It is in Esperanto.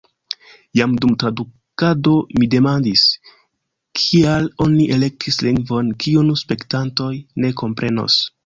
Jam dum tradukado mi demandis, kial oni elektis lingvon, kiun spektantoj ne komprenos.